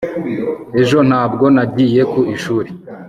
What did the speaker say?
ejo ntabwo nagiye ku ishuri